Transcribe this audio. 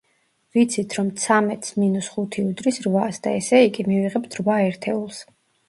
ვიცით, რომ ცამეტს მინუს ხუთი უდრის რვას და ესე იგი, მივიღებთ რვა ერთეულს.